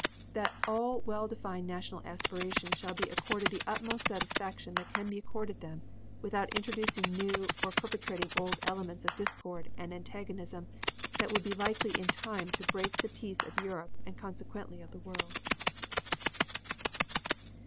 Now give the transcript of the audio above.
That all well defined national aspirations shall be accorded the utmost satisfaction that can be accorded them without introducing new or perpetuating old elements of discord and antagonism that would be likely in time to break the peace of Europe and consequently of the world.